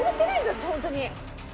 私本当に。